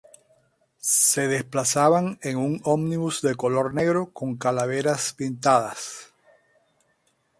Se desplazaban en un ómnibus de color negro con calaveras pintadas.